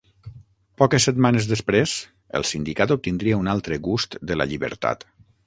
Poques setmanes després, el sindicat obtindria un altre gust de la llibertat.